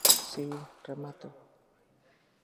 Si, remato.